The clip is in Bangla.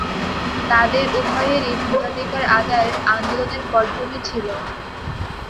তাদের উভয়েরই ভোটাধিকার আদায়ের আন্দোলনের পটভূমি ছিল।